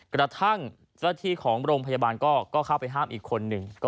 กระทั่งเจ้าที่ของโรงพยาบาลก็เข้าไปห้ามอีกคนหนึ่ง